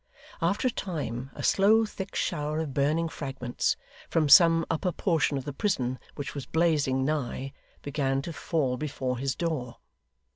After a time, a slow thick shower of burning fragments, from some upper portion of the prison which was blazing nigh, began to fall before his door.